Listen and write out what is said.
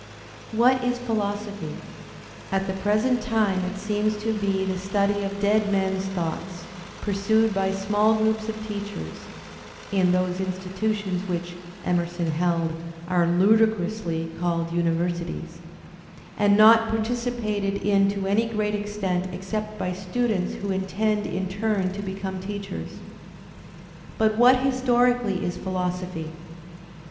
What is philosophy? At the present time it seems to be the study of dead men's thoughts, pursued by smaU groups of teachers (in those institutions which, Emerson held, are "ludicrously" called universities), and not participated in to any great extent except by students who intend in turn to become teachers. But what historically is philosophy?